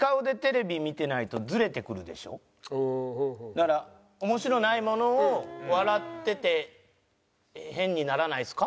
だから「面白ないものを笑ってて変にならないですか？」